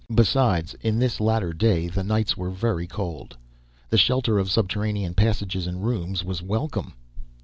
Besides, in this latter day, the nights were very cold, the shelter of subterranean passages and rooms was welcome.